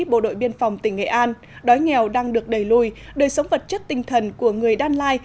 bộ đội biên phòng tỉnh nghệ an đói nghèo đang được đẩy lùi đời sống vật chất tinh thần của người đan lai